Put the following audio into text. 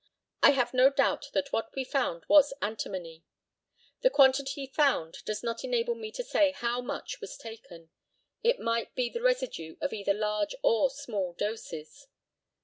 I have no doubt that what we found was antimony. The quantity found does not enable me to say how much was taken. It might be the residue of either large or small doses.